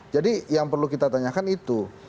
yang perlu kita tanyakan itu